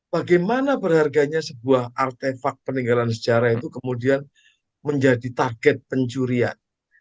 bagaimana berharganya sebuah artefak peninggalan sejarah itu kemudian menjadi target pencurian